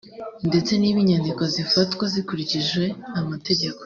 ndetse niba inyandiko zifatwa zikurikije amategeko